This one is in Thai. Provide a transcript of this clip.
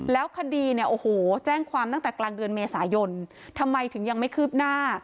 แล้วคดีเนี่ยโอ้โหแจ้งความตั้งแต่กลางเดือนเมษายนทำไมถึงยังไม่คืบหน้า